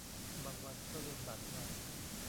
บางวันก็ลืมบัตรไง